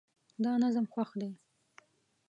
دا نظم خوښ دی